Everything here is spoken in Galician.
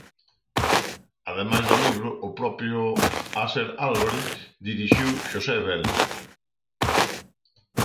Ademais do libro, o propio Aser Álvarez dirixiu Xosé Velo.